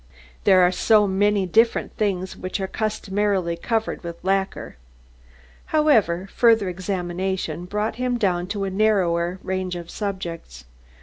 There are so many different things which are customarily covered with lacquer. However, further examination brought him down to a narrower range of subjects.